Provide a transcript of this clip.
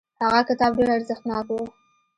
هغه کتاب ډیر ارزښتناک و.